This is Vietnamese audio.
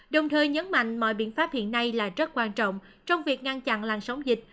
đồng thời nhấn mạnh mọi biện pháp hiện nay là rất quan trọng trong việc ngăn chặn lan sóng dịch